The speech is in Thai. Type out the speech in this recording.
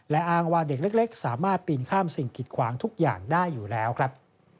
และอ้างว่าเด็กเล็กสามารถปีนข้ามสิ่งกิดขวางทุกอย่างได้อยู่แล้วครับ